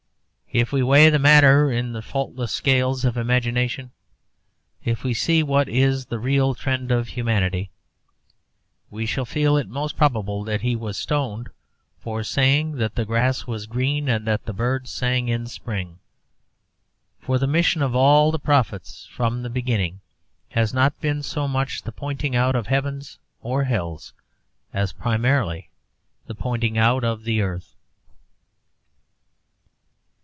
If we weigh the matter in the faultless scales of imagination, if we see what is the real trend of humanity, we shall feel it most probable that he was stoned for saying that the grass was green and that the birds sang in spring; for the mission of all the prophets from the beginning has not been so much the pointing out of heavens or hells as primarily the pointing out of the earth.